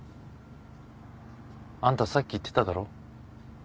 あんたさっき言ってただろ？